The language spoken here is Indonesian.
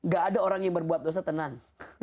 gak ada orang yang berbuat dosa tenang